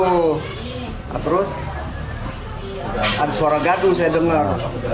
oh terus ada suara gaduh saya dengar